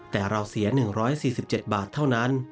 แต่เราเสีย๑๔๗บาทเท่านั้น